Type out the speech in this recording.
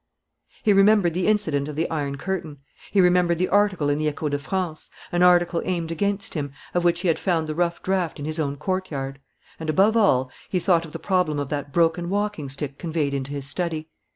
He remembered the incident of the iron curtain. He remembered the article in the Echo de France, an article aimed against him, of which he had found the rough draft in his own courtyard. And, above all, he thought of the problem of that broken walking stick conveyed into his study.